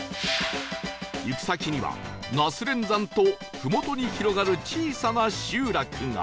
行く先には那須連山とふもとに広がる小さな集落が